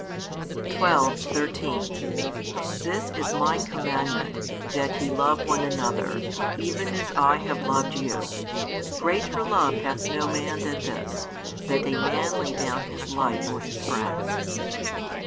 12, 13 This is My commandment, that ye love one another, even as I have loved you. Greater love hath no man than this, that a man lay down his life for his friends.